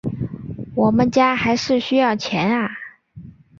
我们家还是需要钱啊